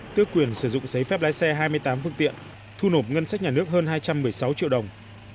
tước quyền sử dụng giấy phép lái xe hai mươi tám phương tiện thu nộp ngân sách nhà nước hơn hai trăm một mươi sáu triệu đồng